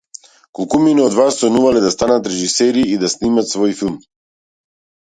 Колкумина од вас сонувале да станат режисери и да снимат свој филм?